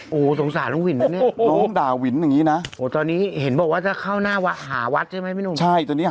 น้องก็สงสารน้องวินแบบนี้